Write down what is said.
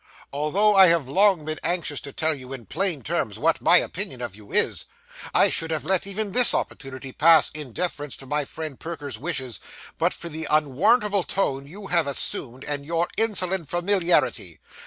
'Although I have long been anxious to tell you, in plain terms, what my opinion of you is, I should have let even this opportunity pass, in deference to my friend Perker's wishes, but for the unwarrantable tone you have assumed, and your insolent familiarity.